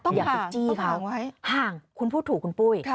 ต้องผ่างต้องผ่างไว้ห่างคุณพูดถูกคุณปุ้ย